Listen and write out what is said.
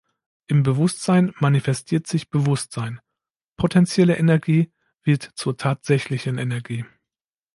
Im Bewusstsein manifestiert sich Bewusstsein: Potentielle Energie wird zur tatsächlichen Energie.